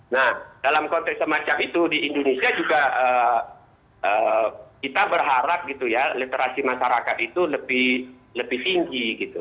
nah dalam konteks semacam itu di indonesia juga kita berharap gitu ya literasi masyarakat itu lebih tinggi gitu